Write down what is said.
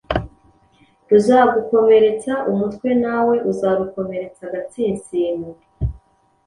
ruzagukomeretsa umutwe nawe uzarukomeretsa agatsinsino,“